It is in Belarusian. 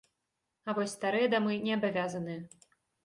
А вось старыя дамы не абавязаныя.